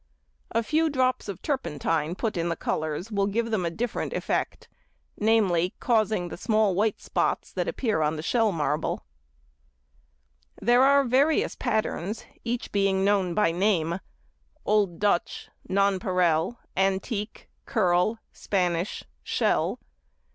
A few drops of turpentine put in the colours will give them a different effect, viz.,—causing the small white spots that appear on the shell marble. There are various patterns, each being known by name: old Dutch, nonpareil, antique, curl, Spanish, shell.